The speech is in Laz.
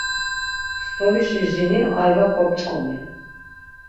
Stolişi jini ayva kop̌ç̌ǩomi.